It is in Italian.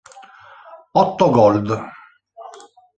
Otto Gold